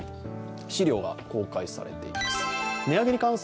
資料が公開されています。